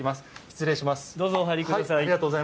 失礼します。